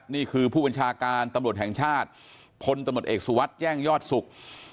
ผู้บัญชาการตำรวจแห่งชาติพลตำรวจเอกสุวัสดิ์แจ้งยอดศุกร์